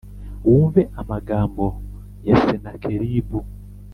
Wumve amagambo ya senakeribu